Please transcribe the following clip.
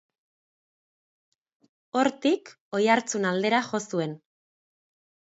Hortik Oiartzun aldera jo zuen.